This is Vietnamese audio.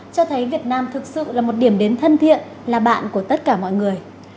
cho thấy việt nam thực sự là một điểm đến thân thiện là bạn của tất cả mọi người